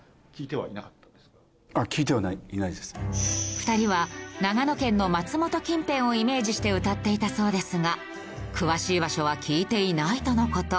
２人は長野県の松本近辺をイメージして歌っていたそうですが詳しい場所は聞いていないとの事。